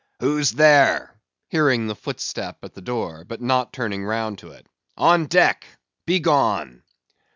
"Who's there?" hearing the footstep at the door, but not turning round to it. "On deck! Begone!"